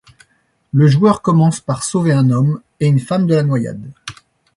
Le joueur commence par sauver un homme et une femme de la noyade.